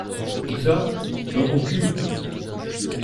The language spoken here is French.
Où ça? Dans ton cul!